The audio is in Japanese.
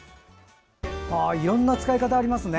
いろんな使い方がありますね。